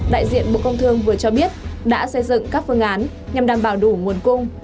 đại diện bộ công thương vừa cho biết đã xây dựng các phương án nhằm đảm bảo đủ nguồn cung